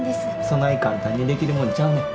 そない簡単にできるもんちゃうねん。